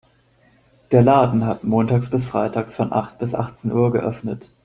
Der Laden hat montags bis freitags von acht bis achtzehn Uhr geöffnet.